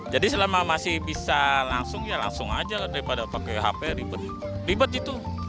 jadi selama masih bisa langsung ya langsung aja daripada pakai hp ribet gitu